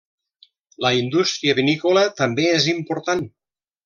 La indústria vinícola també és important.